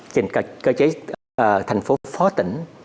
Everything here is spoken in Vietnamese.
trên cơ chế thành phố phó tỉnh